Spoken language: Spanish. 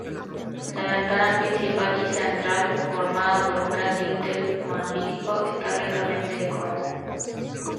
La ventana principal y central, formada por un gran dintel monolítico, está ricamente decorada.